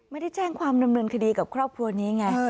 ไม่ได้แจ้งความดำเนินคดีกับครอบครัวนี้ไง